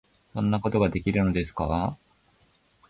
「そんなことができるのですか？」